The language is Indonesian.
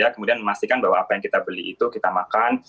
kemudian memastikan bahwa apa yang kita beli itu kita makan